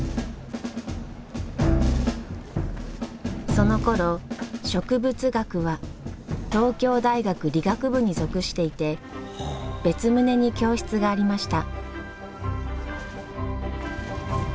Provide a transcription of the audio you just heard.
そのころ植物学は東京大学理学部に属していて別棟に教室がありました。